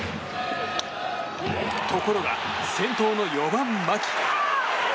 ところが先頭の４番、牧